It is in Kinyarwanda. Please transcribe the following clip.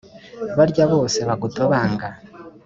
barya bose bagutobanga